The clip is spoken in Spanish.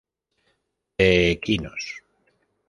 De Equinos.